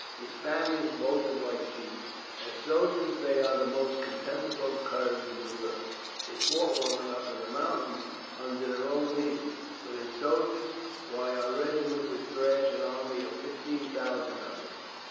The Spaniards bolted like sheep. As soldiers, they are the most contemptible curs in the world. They fought well enough in the mountains under their own leaders, but as soldiers, why, our regiment would thrash an army of 15,000 of them.